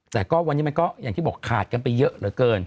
แต่ก็วันนี้มันก็อย่างที่บอกขาดกันไปเยอะเหลือเกิน